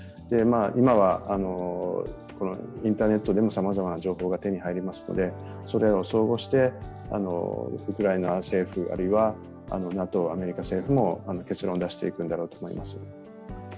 今は、インターネットでもさまざまな情報が手に入りますのでそれらを総合してウクライナ政府、あるいはＮＡＴＯ、アメリカ政府も結論を出していくんだろうと思います。